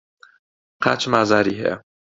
قاچم ئازاری هەیە.